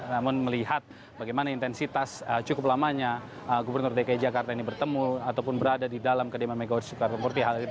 namun melihat bagaimana intensitas cukup lamanya gubernur dki jakarta ini bertemu ataupun berada di dalam kediaman megawati soekarno putri